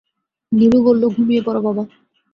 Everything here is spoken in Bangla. নীলু বলল, ঘুমিয়ে পড় বাবা।